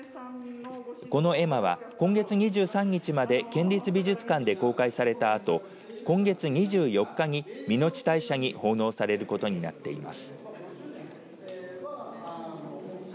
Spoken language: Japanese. この絵馬は今月２３日まで県立美術館で公開されたあと今月２４日に水内大社に奉納されることになっています。